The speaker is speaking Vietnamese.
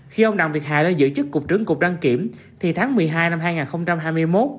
khi ông đặng việt hà lên giữ chức cục trưởng cục đăng kiểm thì tháng một mươi hai năm hai nghìn hai mươi một